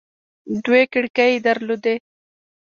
دوې کړکۍ يې در لودې.